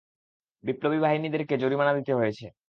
বিপ্লবী বাহিনীদেরকে জরিমানা দিতে হয়েছে।